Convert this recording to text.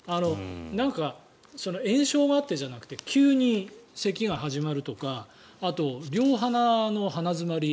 なんか炎症があってじゃなくて急にせきが始まるとかあと、両鼻の鼻詰まり。